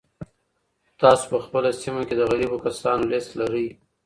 تاسو په خپله سیمه کي د غریبو کسانو لست لرئ؟